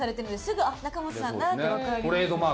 ぐあっ仲本さんだって分かりますよね。